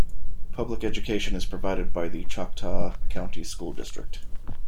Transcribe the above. Public education is provided by the Choctaw County School District.